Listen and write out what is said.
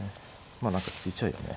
まあ何か突いちゃうよね。